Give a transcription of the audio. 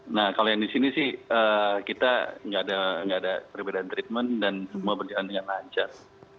nah kalau yang di sini sih kita nggak ada perbedaan treatment dan semua berjalan dengan lancar